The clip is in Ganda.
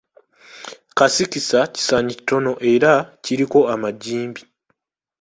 Kasikisa kisaanyi kitono era kiriko amagimbi.